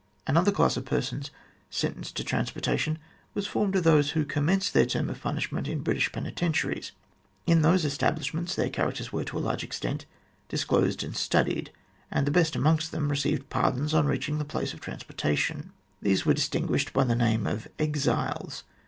Another class of persons sentenced to transportation was formed of those who commenced their term of punishment in British peni tentiaries. In these establishments their characters were, to a large extent, disclosed and studied, and the best among them received pardons on reaching the place of transporta tion. These were distinguished by the name of exiles.